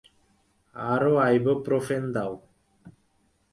আরো আইবুপ্রোফেন দাও।